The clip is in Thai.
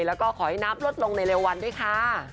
แล้วก็ขอให้น้ำลดลงในเร็ววันด้วยค่ะ